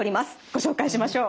ご紹介しましょう。